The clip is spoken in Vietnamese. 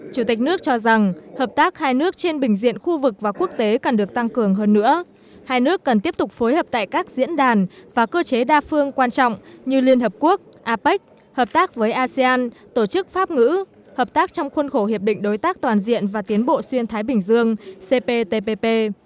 chủ tịch nước cho rằng hợp tác hai nước trên bình diện khu vực và quốc tế cần được tăng cường hơn nữa hai nước cần tiếp tục phối hợp tại các diễn đàn và cơ chế đa phương quan trọng như liên hợp quốc apec hợp tác với asean tổ chức pháp ngữ hợp tác trong khuôn khổ hiệp định đối tác toàn diện và tiến bộ xuyên thái bình dương cptpp